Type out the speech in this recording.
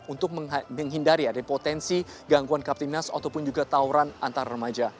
untuk menghindari ada potensi gangguan kaptimnas ataupun juga tawuran antar remaja